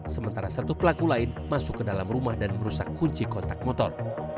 sementara satu pelaku lain masuk ke dalam rumah dan merusak kunci kontak motor